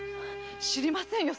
知りませんよ